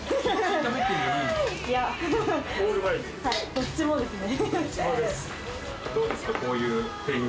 どっちもですね。